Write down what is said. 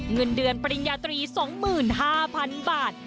เงินเดือนปริญญาตรี๒๕๐๐๐บาท